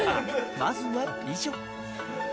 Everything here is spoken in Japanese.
まずは美女。